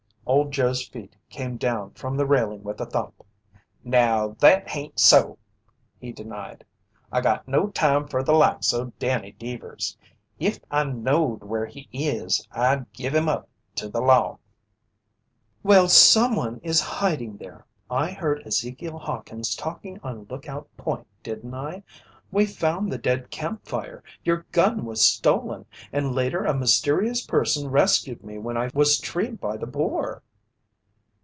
Old Joe's feet came down from the railing with a thump. "Now that hain't so!" he denied. "I got no time fer the likes o' Danny Deevers. If I knowed where he is, I'd give him up to the law." "Well, someone is hiding there! I heard Ezekiel Hawkins talking on Lookout Point, didn't I? We found the dead campfire. Your gun was stolen, and later a mysterious person rescued me when I was treed by the boar."